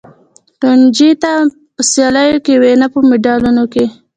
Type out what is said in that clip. کنجي نه په سیالیو کې وي او نه په مډالونه کې.